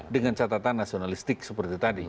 dengan catatan nasionalistik seperti tadi